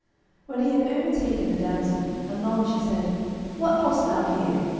When he had overtaken the damsel, anon she said: "What dost thou here?